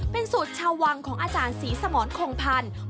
เป็นสูตรชาววังของอาจารย์ศรีสมรคงพันธุ์